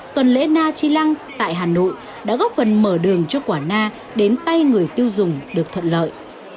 tuần lễ na chi lăng tại hà nội đã góp phần mở đường cho quả na đến tay người tiêu dùng được thuận lợi